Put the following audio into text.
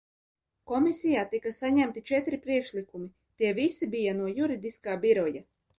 Komisijā tika saņemti četri priekšlikumi, tie visi bija no Juridiskā biroja.